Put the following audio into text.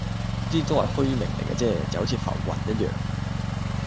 呢啲都係虛名嚟啫，就好似浮雲一樣